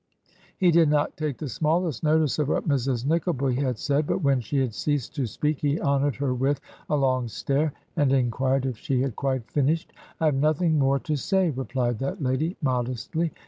He did not take the smallest notice of what Mrs. Nickleby had said, but when she had ceased to speak he honored her with a long stare and inquired if she had quite finished. 'I have nothing more to say,' replied that lady modestly.